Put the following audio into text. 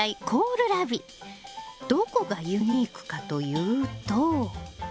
どこがユニークかというと。